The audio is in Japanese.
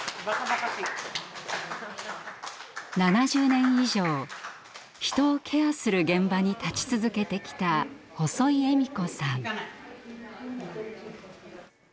７０年以上人をケアする現場に立ち続けてきた細井恵美子さん。